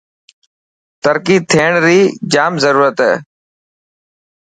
ترقي ٿيڻ ري جام ضرورت هي.